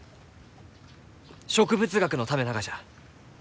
植物学のためながじゃ！